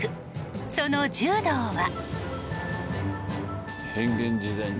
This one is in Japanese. その柔道は。